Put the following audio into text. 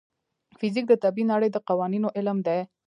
فزیک د طبیعي نړۍ د قوانینو علم دی.